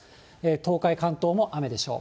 東海、関東も雨でしょう。